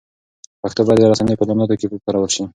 پښتو باید د رسنیو په اعلاناتو کې وکارول شي.